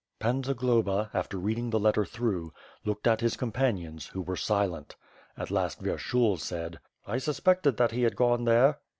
Pan Zagloba, after reading the letter through, looked at his companions, who were silent. At last, Vyershul said: "I suspected that he had gone there."